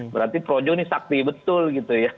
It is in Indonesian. berarti projo ini sakti betul gitu ya